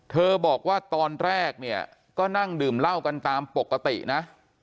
บอกว่าตอนแรกเนี่ยก็นั่งดื่มเหล้ากันตามปกตินะ